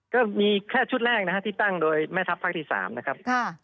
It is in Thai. ก็มีแค่ชุดแรกนะฮะที่ตั้งโดยแม่ทัพภาคที่๓นะครับ